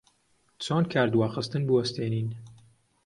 چۆن کاردواخستن بوەستێنین؟